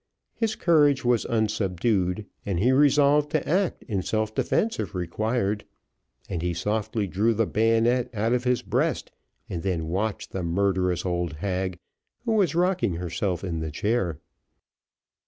His courage was unsubdued, and he resolved to act in self defence if required; and he softly drew the bayonet out of his breast, and then watched the murderous old hag, who was rocking herself in the chair.